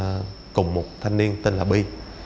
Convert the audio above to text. đi cùng một thanh niên tên là bi